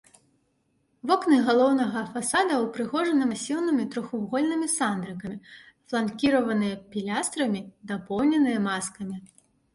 Вокны галоўнага фасада ўпрыгожаны масіўнымі трохвугольнымі сандрыкамі, фланкіраваныя пілястрамі, дапоўненыя маскамі.